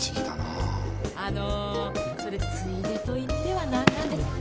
あのそれでついでと言っては何なんですが。